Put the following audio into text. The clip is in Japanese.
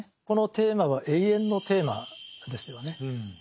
このテーマは永遠のテーマですよね。